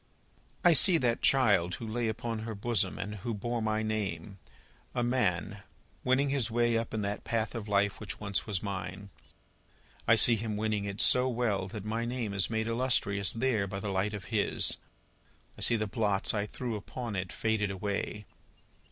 "I see that child who lay upon her bosom and who bore my name, a man winning his way up in that path of life which once was mine. I see him winning it so well, that my name is made illustrious there by the light of his. I see the blots I threw upon it, faded away.